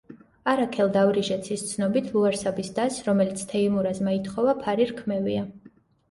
არაქელ დავრიჟეცის ცნობით, ლუარსაბის დას, რომელიც თეიმურაზმა ითხოვა ფარი რქმევია.